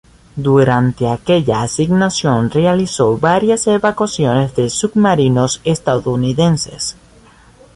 Durante aquella asignación realizó varias evacuaciones de submarinos estadounidenses.